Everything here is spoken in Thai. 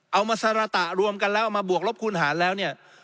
เอามาสารตะรวมกันแล้วเอามาบวกลบคูณหารแล้วเนี่ย